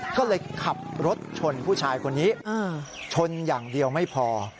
ก็เลยขับรถชนผู้ชายคนนี้ชนอย่างเดียวไม่พอ